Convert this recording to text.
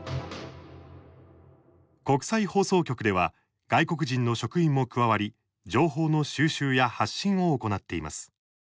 国際放送局では外国人の職員も加わり情報の収集や発信を行っています。